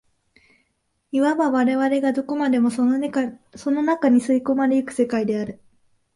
いわば我々がどこまでもその中に吸い込まれ行く世界である。